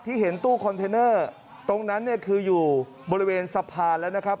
เห็นตู้คอนเทนเนอร์ตรงนั้นเนี่ยคืออยู่บริเวณสะพานแล้วนะครับ